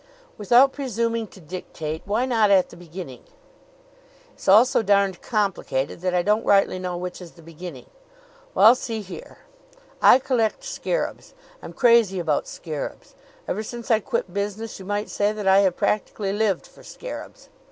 "Without presuming to dictate, why not at the beginning?" "It's all so darned complicated that I don't rightly know which is the beginning. Well, see here ... I collect scarabs. I'm crazy about scarabs. Ever since I quit business, you might say that I have practically lived for scarabs."